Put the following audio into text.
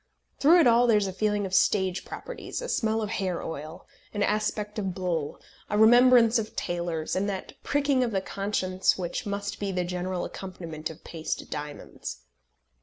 Through it all there is a feeling of stage properties, a smell of hair oil, an aspect of buhl, a remembrance of tailors, and that pricking of the conscience which must be the general accompaniment of paste diamonds.